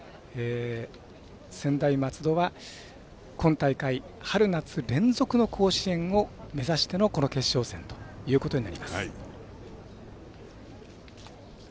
専大松戸は今大会春夏連続の甲子園を目指しての決勝戦ということになります。